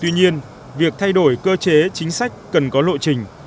tuy nhiên việc thay đổi cơ chế chính sách cần có lộ trình